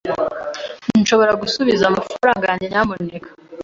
Nshobora gusubiza amafaranga yanjye, nyamuneka?